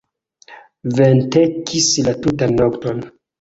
Ventegis la tutan nokton.